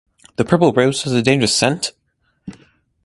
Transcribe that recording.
The Purple Rose Has a Dangerous Scent!?